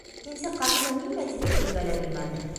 Итексе ҡатыны нимә тип әйтергә лә белмәне.